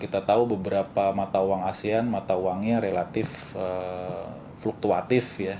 kita tahu beberapa mata uang asean mata uangnya relatif fluktuatif ya